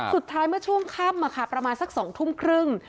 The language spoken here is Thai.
สุดท้ายเมื่อช่วงข้ามมาค่ะประมาณสัก๒ทุ่มครึ่ง